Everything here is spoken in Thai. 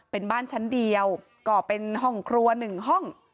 เป็นบ้านชั้นเดียวก็เป็นห้องครัว๑ห้อง